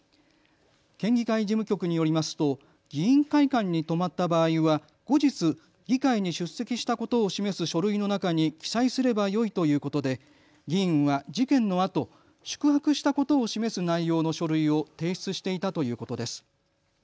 県議会事務局によりますと議員会館に泊まった場合は後日議会に出席したことを示す書類の中に記載すればよいということで議員は事件のあと宿泊したことを示す内容の書類を提出していたということです。